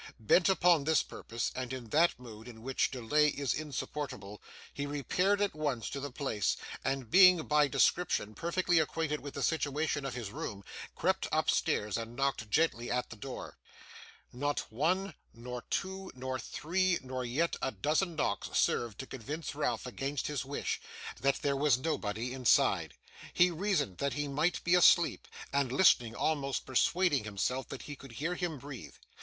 Bent upon this purpose, and in that mood in which delay is insupportable, he repaired at once to the place; and being, by description, perfectly acquainted with the situation of his room, crept upstairs and knocked gently at the door. Not one, nor two, nor three, nor yet a dozen knocks, served to convince Ralph, against his wish, that there was nobody inside. He reasoned that he might be asleep; and, listening, almost persuaded himself that he could hear him breathe.